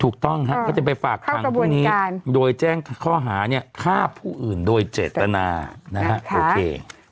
เขาจะไปฝากครั้งพรุ่งนี้โดยแจ้งข้อหาเนี่ยค่าผู้อื่นโดยเจตนานะคะโอเค